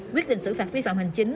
quyết định xử phạt quy phạm hành chính